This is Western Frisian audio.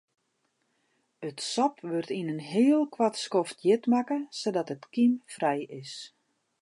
It sop wurdt yn in heel koart skoft hjit makke sadat it kymfrij is.